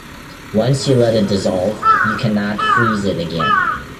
Once you let it dissolve, you cannot freeze it again.